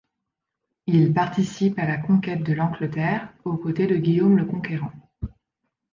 Il participe à la conquête de l'Angleterre aux côtés de Guillaume le Conquérant.